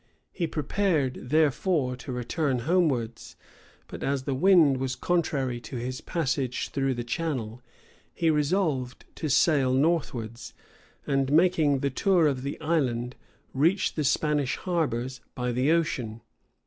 He prepared, therefore, to return homewards; but as the wind was contrary to his passage through the Channel, he resolved to sail northwards, and making the tour of the island, reach the Spanish harbors by the ocean.